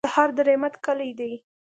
سهار د رحمت کلي ده.